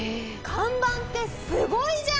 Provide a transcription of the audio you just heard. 看板ってすごいじゃん！